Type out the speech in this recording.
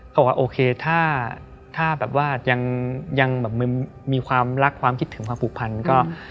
บอกว่าโอเคถ้าแบบว่ายังแบบมีความรักความคิดถึงความผูกพันก็